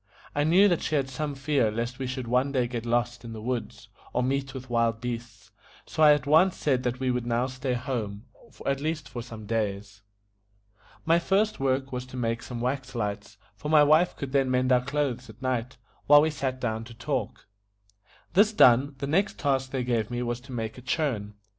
I knew that she had some fear lest we should one day get lost in the woods, or meet with wild beasts, so I at once said that we would now stay at home, at least for some days. My first work was to make some wax lights, for my wife could then mend our clothes at night, while we sat down to talk. This done, the next task they gave me was to make a churn.